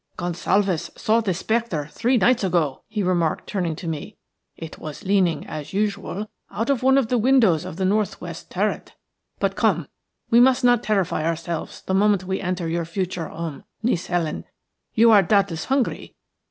"Gonsalves saw the spectre three nights ago," he remarked, turning to me. "It was leaning as usual out of one of the windows of the north west turret. But, come; we must not terrify ourselves the moment we enter your future home, Niece Helen. You are doubtless hungry.